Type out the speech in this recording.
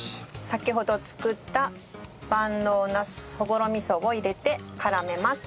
先ほど作った万能なすそぼろ味噌を入れて絡めます。